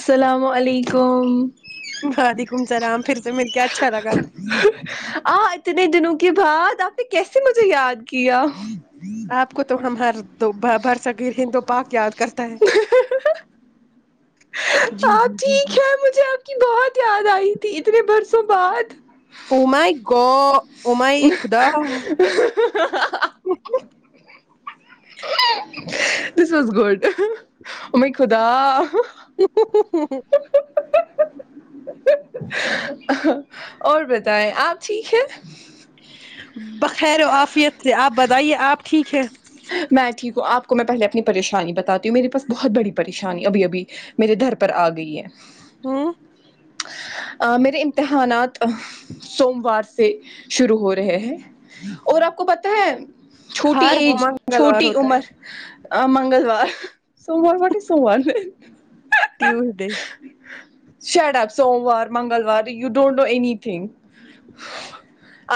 السلام علیکم وعلیکم سلام پھر سے مل کے اچھا لگا [inaudible] آ اتنے دنوں کے بعد آپ نے کیسے مجھے یاد کیا آپ کو تو ہم ہر بر صغیر ہندو پاک یاد کر تا ہے جی آپ جی جی جی ٹھیک ہے جی مجھے آپ کی بہت یاد آئی تھی اتنے برسوں بعد و مائی گ ا و مائی خدا ہا ہا ہا [inaudible] دس از گڈ و مائی خدا ہ ہ ہ ہں اور بتائیں آپ ٹھیک ہے بخیر و آفیت سے آپ بتائیے آپ ٹھیک ہے میں ٹھیک ہوں آپ کو میں پہلے اپنی پریشانی بتاتی ہوں میرے پاس بہت بڑی پریشانی ابھی ابھی میرے گھر پر آ گئی ہے ہوں ا میرے امتحانات سوموار سے شروع ہو رہے ہیں اور آپ کو پتا ہے چھوٹی ہر ایج منگلوار چھوٹی ہوتا ہے عمر ا منگلوار سووموار واٹ از سووموار ٹیوسڈے شڑ اپ سوموار منگلوار you don't do any thing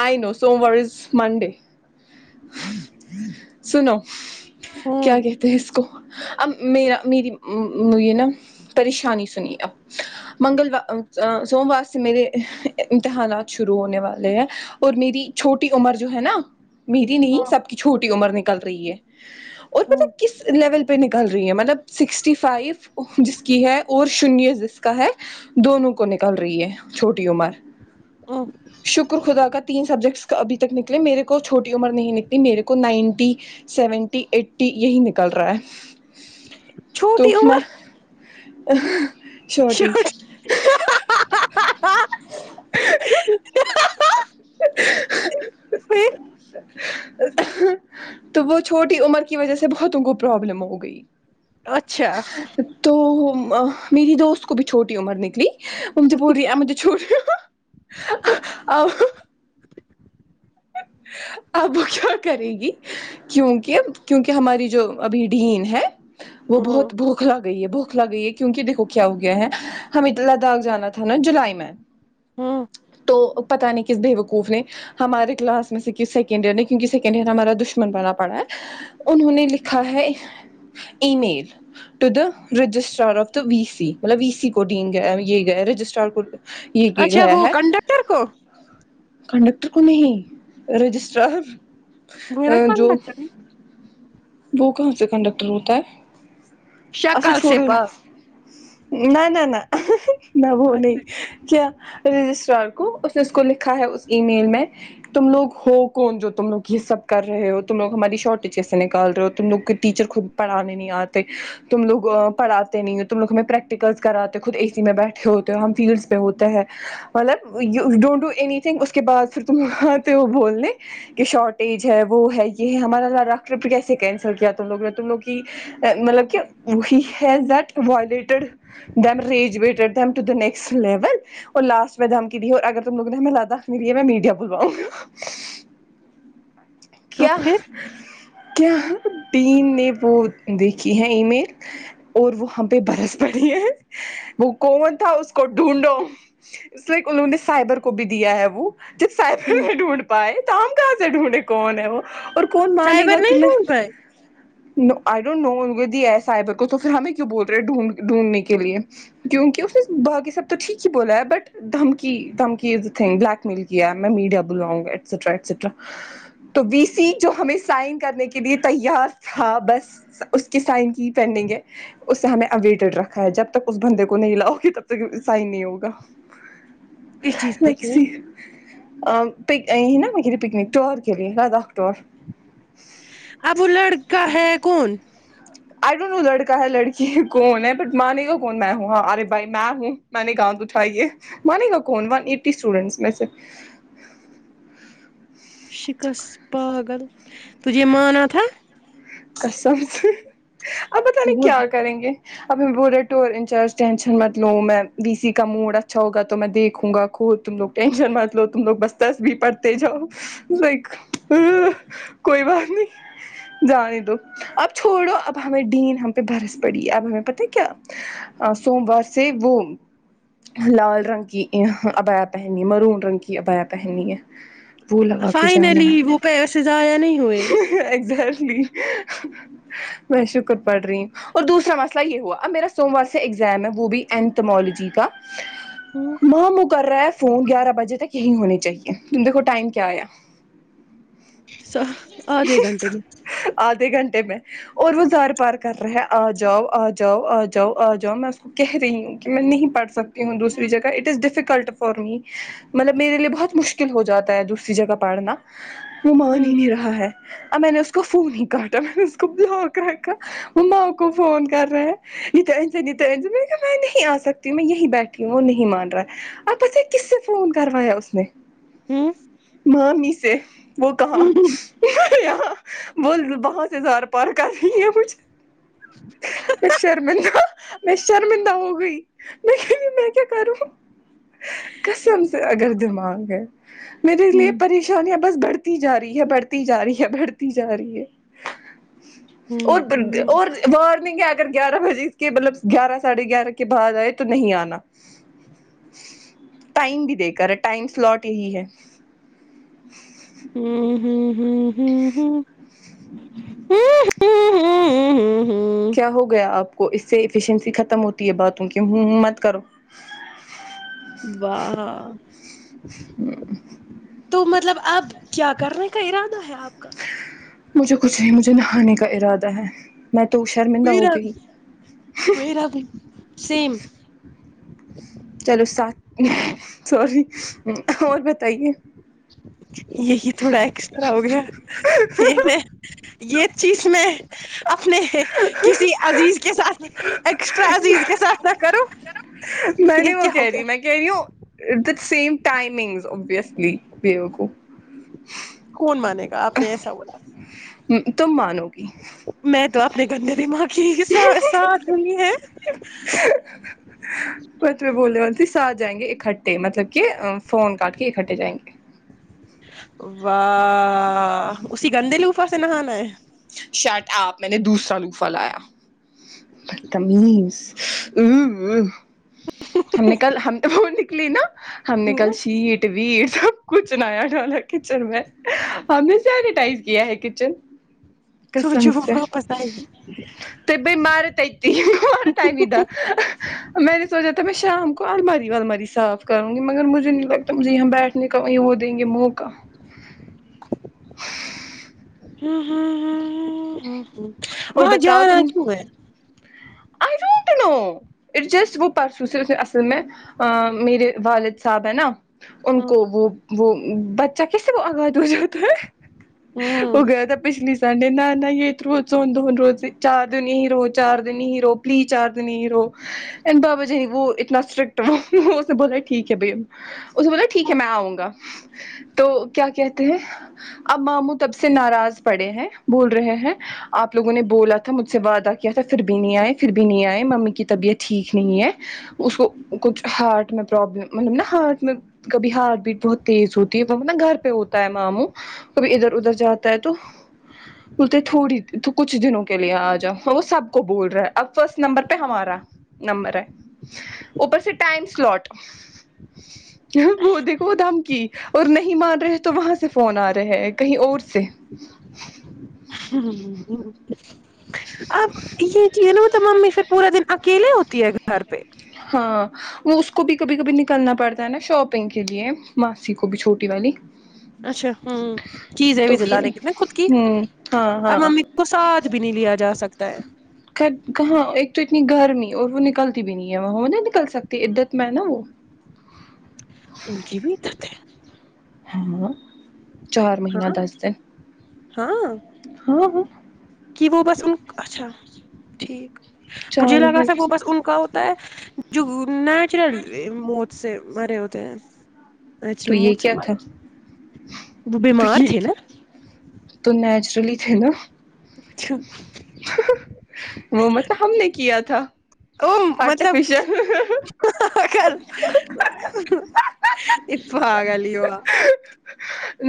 I know سووموار از منڈے سنو ہوں کیا کہتے ہیں اس کو اب ما میری یہ نا پریشانی سنیے آپ منگلوار ا سوموار سے میرے ہ امتحانات شروع ہونے والے ہیں اور میری چھوٹی عمر جو ہے نا میری نہیں ہوں سب کی چھوٹی عمر نکل رہی ہے اور ہو پتا کس لیول پہ نکل رہی ہیں مطلب سکسٹی فائیو جس کی ہے اور شنیہ جس کا ہے دونوں کو نکل رہی ہے چھوٹی عمر ہ شکر خدا کا تین سبجیکٹس ابھی تک نکلے میرے کو چھوٹی عمر نہیں نکلی میرے کو نائنٹی سیونٹی ایٹی یہی نکل رہا ہے تو چھوٹی میں اہ شاوٹ میں [unintelligible] تو وہ چھوٹی عمر کی وجہ سے بہتوں کو پرابلم ہو گئی اچھا تو م ہ میری دوست کو بھی چھوٹی عمر نکلی وہ مجھے بول رہی ہے آپ مجھے چھوڑ رہی ہو او اب وہ کیا کرے گی کیونکہ کیونکہ ہماری جو ابھی ڈین ہے وہ ہوں بہت بہت کوکھلا گئی ہے بوکھلا گئی ہے کیونکہ دیکھو کیا ہو گیا ہے ہمیں لداخ جانا تھا نا جولائی میں ہوں تو پتہ نہیں کس بیوقوف نے ہمارے کلاس میں سے کی سیکینڈ ایئر نے کیونکہ سیکنڈ ایئر ہمارا دشمن بنا پڑا ہے انہوں نے لکھا ہے email to the registrar of the V C مطلب وی سی کو ڈین گ یہ گئے رجسٹرار یہ کہ اچھا گیا وہ ہے کنڈکٹر کو کنڈکٹر کو نہیں وہ ہے نا رجسٹرار جو کنڈکٹر وہ کہاں سے کنڈکٹر ہوتا ہے اچھا شکل سے چھوڑو پاک نہ نہ نہ نہ وہ نہیں اچھا، کیا رجسٹرار کو اس نے اس کو لکھا ہے اس ای میل میں تم لوگ ہو کون جو تم لوگ یہ سب کر رہے ہو تم لوگ ہماری شارٹیج کیسے نکال رہے ہو تم لوگ کے ٹیچر خود پڑھانے نہیں آتے تم لوگ پڑھاتے نہیں تم لوگ ہمیں پریکٹیکلس کراتے خود اے سی میں بیٹھے ہوتے ہو ہم فیلڈس پہ ہوتے ہے مطلب ڈونٹ ڈو اینی تھنگ اس کے بعد پھر تم آتے ہو بولنے کہ شارٹیج ہے وہ ہے یہ ہے ہمارا لداخ ٹرپ کیسے کینسل کیا تھا لوگ نے تم لوگ کی مطلب کہ he has that violated then رریجویڈ them to the next level اور لاسٹ میں دھمکی دی ہے اور اگر تم لوگ نے ہمیں لداخ نہیں ہے میں میڈیا بلواؤگا تو کیا پھر کیا ڈین نے وہ دیکھی ہیں ای میل اور وہ ہم پہ برس پڑی ہے وہ کون تھا اس کو ڈھونڈو اس لے انہوں نے سائبر کو بھی دیا ہے وہ جس ہوں سائبر ڈھونڈ پائے تو ہم کہاں سے ڈھونڈے کون ہے وہ اور کون مانے سائبر گا نہیں تیں ڈھونڈ پائے نو آئی ڈونٹ نو ان دیا ہے سائبر کو تو پھر ہمیں کیوں بول رہے ہیں ڈھونڈ ڈھونڈنے کے لیے کیونکہ اس نے باقی سب تو ٹھیک ہی بولا ہے بٹ دھمکی دھمکی is the thing blackmail کیا ہے میں میڈیا بلاواؤں گا ایکسٹرا ایکسٹرا تو وی سی جو ہمیں سائن کرنے کے لیے تیار تھا بس اس کے سائن کی پینڈنگ ہے اس سے ہمیں اویڈڈ رکھا ہے جب تک اس بندے کو نہیں لاؤگی تب تک سائن نہیں ہوگا کس چیز پر لیٹس سی پک یہ نا میں گے پکنک ٹور گلیے لداخ ٹور اب وہ لڑکا ہے کون آئی ڈونٹ نو لڑکا ہے لڑکی کون ہے بٹ مانے گا کون میں ہوں ہاں ارے بھائی میں ہوں میں نے گانؤد اٹھائی یہ مانے گا کون ون ایٹی اسٹوڈینٹس میں سے شکس پاگل تجھے یہ مانا تھا قسم سے اب پتا نہیں وہ کیا کریں گے ابٹ انارج ٹینشن مت لوں میں ڈی س کا موڈ اچھا ہوگ تو میں دیکھوں گا خود تم لوگ ٹینشن مت لو تم لوگ بس تسبیح پڑھتے جاؤ لائک کوئی بات نہیں جا رہ دو اب چھوڑو اب ہمیں ڈین ہم پہ برس پڑی اب ہمیں پتہ ہے کیا ا سوموار سے وہ لال رنگ کی ابایاہ پہننی میرون رنگ کی ابایاہ پہننی ہے وہ لگا کے جانا فائنلی وہ پیسے ضائع نہیں ہوئے ایگزٹلی میں شکر پڑھ رہی ہوں اور دوسرا مسئلہ یہ ہوا اب میرا سوموار سے ایگزام ہے وہ بھی اینتھمالوجی کا ہوں ماں من کر رہا ہے فون گیارہ بجے تک یہی ہونے چاہیے تے کو ٹائم کیا آیا س آدھے گھنٹے میں آدھے گھنٹے میں اور وہ زار پار کر رہے آ جاؤ آ جاؤ آ جاؤ آ جاؤ میں کہہ رہی ہوں کہ میں نہیں پڑھ سکتی ہوں دوسری جگہ اٹ از ڈیفیکلٹ اور مطلب میرے لیے بہت مشکل ہو جاتا ہے دوسری جگہ پڑنا وہ مان ہوں ہی نہیں رہا ہے ا میں نے اس کو فون ہی کاٹا میں نے اس کو بلاک رکھا وہ ما کو فون کر رہے ہیں یہ [unintelligible] میں نہیں آ سکتی میں یہی بیٹھی ہوں وہ نہیں مان رہا اور توجہ کس سے فون کروایا اس نے ہوں ممی سے وہ کہا یہاں بول ضوبہ سے زار پار کر رہی ہے مجھے میں شرمندہ میں شرمندہ ہو گئی نہیں میں کیا کروں کسم سے اگر دماغ ہے میرے لیے ہوں پریشانیاں بس بڑھتی جا رہی ہے بڑھتی جا رہی ہے بڑھتی جا رہی ہے ہوں اور باند ہوں اور وارننگ ہے اگر گیارہ بجے اس کے مطلب گیارہ ساڑھے گیارہ کے بعد آئے تو نہیں آنا ٹائم بھی دیک کرا ٹائم سلٹ یہی ہے ہوں ہوں ہوں ہوں ہوں کیا ہو گیا آپ کو اس سے ایفیشنسی ختم ہوتی ہے باتوں کی ہ ہ مت کرو واہ تو مطلب اب کیا کرنے کا ارادہ ہے آپ کا مجھے کچھ نہیں مجھے نہانے کا ارادہ ہے میں تو شرمندہ ہو میرا گئی میرا بھی سیم چلو سات میں سوری اور بتائیے یہی تھوڑا ایکسٹرا ہو گیا یہ میں یہ چیز میں اپنے کسی عزیز کے ساتھ ایکسٹرا عزیز کے ساتھ نہ کرو میں یہ نہیں وہ کیا ہو کہہ گیا رہی میں کہرہی ہو ایدہ سیم ٹائمنگ ایسلی بیوقوف کون مانے گا آپ نے ایسا بولا تم مانو گی میں تو اپپنے گندے دماغ کی س ساتھ لونگی ہے بعد میں بولا وہ تیس ساتھ جائیں گے اکٹھے مطلب کہ فون کاٹ کے اکٹھے جائیں گے واہ اسی گندے لوفا سے نہانا ہے شرٹ آپ میں نے دوسرا لوفا لایا بتمیز و و ہم نے کل ہم تو وہ نکلی نا ہم نے ہ کل سیٹ ویت سب کچھ نیا ڈالا کچن میں ہم نے سینیٹائز کیا ہے کچن سوچو وہ واپس آئے گی [unintelligible] ب مار تتی مار میدا میں نے سوچا تو میں شام کو اللماری واللماری صاف کرو گی مگر مجھے نہیں لگتا مجھے یہاں بیٹھنے کا وو یہ دینگے موقع ہاں ہاں ہاں ہاں ہوں ہوں اور بتاؤ تم I don't know it just وہ پرسوں سے صرف اصل میں ا میرے والد صاحب ہیں نا ان کو وہ وہ بچہ کیسے وہ آگاد ہو جاتا ہے وہ گیا تھا پچھلی سنڈے نہ نہ یہ اتھر سون دھون روتے چار دن ہی رو چار دن یہی رہو پلیز چار دن یہی رہو بابا جی وہ اتنا اسٹرکٹ وہ اس نے بولا ٹھیک ہے بھائی اسنے بولا ٹھیک ہے میں آؤں گا تو کیا کہتے ہیں اب ماموں تب سے ناراض پڑے ہیں بول رہے ہیں آپ لوگوں نے بولا تھا مجھ سے وعدہ کیا تھا پھر بھی نیں آئے پھر بھی نیں آئے ممی کی طبیعت ٹھیک نہیں ہے اس کو کچھ ہارٹ میں پرابلم مطلب نا ہارٹ میں کبھی ہارٹ بیٹ بہت تیز ہوتی ہے وہ نا گھر پہ ہوتا ہے ماموں کبھی ادھر ادھر جاتا ہے تو بولتے تھوڑی تو کچھ دنوں کے لیے آ جاؤ وہ سب کو بول رہا ہے اب فرسٹ نمبر پہ ہمارا نمبر ہے اوپر سے ٹائم سلوٹ وہ دیکھو وہ دھمکی اور نہیں مان رہے تو وہاں سے فون آ رہے ہے کہیں اور سے ہ ہ ہ اب یہ ٹی نہیں ہوتا ممی پھر پورا دن اکیلے ہوتی ہے گھر پہ ہاں وہ اس کو بھی کبھی کبھی نکلنا پڑتا ہے نا شاپنگ کے لیے ماسی کو بھی چھوٹی والی اچھا ہوں چیزیں تو وزیں پھر لانے کی نہ خود کی ہوں ہاں اب ہاں ممی کو ساتھ بھی نہیں لیا جا سکتا ہے کہاں ایک تو اتنی گرمی اور وہ نکلتی بھی نہیں ہے وہ نہیں نکل سکتی عدت میں ہے نا وہ ان کی بھی عدت ہے ہاں چار مہینہ ہاں دس دن ہاں ہاں ہاں کہ وہ بس ان اچھا ٹھیک چار مجھے لگا تھا مہینہ وہ بس ان کا ہوتا ہے جو نیچرل موت سے مرے ہوتے ہیں تو نیچرل یہ موت سے کیا تھا مرے وہ تو بیمار یہ تھے نا تو نیچرل ہی تھے نا اچھا ہ ہ وہ مت ہم نے کیا تھا او مطلب آرٹیفیشیل ہ ہ ہ خیر ہ ایک پاگل ہی ہوا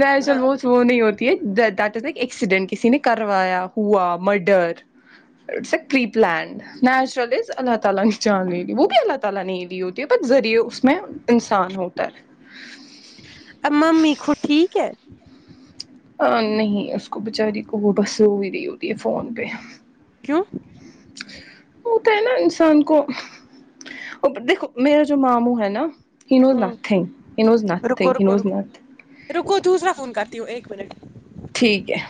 ویسے لوج وہ نہیں ہوتی ہے دیٹ از لائک ایکسیڈنٹ کسی نے کروایا ہوا murder it's a preplan naturals اللہ تعالی نے جان لی لی وہ بھی اللہ تعالی نے لی ہوتی ہے بٹ ذریعے اس میں انسان ہوتا ہے اب ممی خود ٹھیک ہے ہ نہیں اس کو بچاری کو وہ بس رو ہی رہی ہوتی ہے فون پہ کیوں ہوتا ہے نا انسان کو ا دیکھو میرا جو ماموں ہے نا he knows nothing he knows nothing رکو ہی رکو انوز رکو نتنگ رکو دوسرا فون کرتی ہوں ایک منٹ ٹھیک ہے